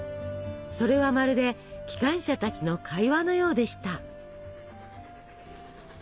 それはまるで機関車たちの会話のようでした。